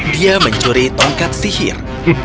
dia mencuri tongkat sihir